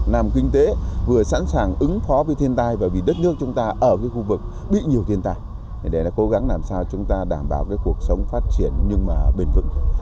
làm kinh tế vừa sẵn sàng ứng phó với thiên tai và vì đất nước chúng ta ở khu vực bị nhiều thiên tai để cố gắng làm sao chúng ta đảm bảo cuộc sống phát triển nhưng mà bền vững